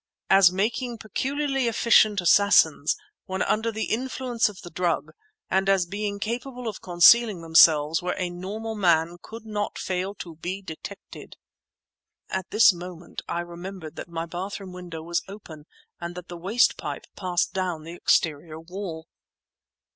"As making peculiarly efficient assassins, when under the influence of the drug, and as being capable of concealing themselves where a normal man could not fail to be detected—" (At this moment I remembered that my bathroom window was open, and that the waste pipe passed down the exterior wall.)